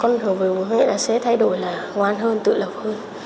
công an thủ đô sẽ thay đổi là ngoan hơn tự lập hơn